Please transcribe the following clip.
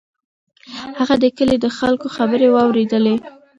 هغه د کلي د خلکو خبرې واورېدلې.